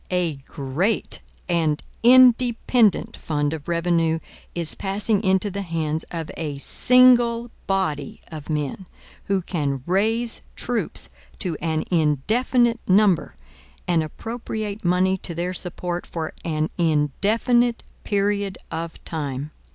A GREAT and INDEPENDENT fund of revenue is passing into the hands of a SINGLE BODY of men, who can RAISE TROOPS to an INDEFINITE NUMBER, and appropriate money to their support for an INDEFINITE PERIOD OF TIME.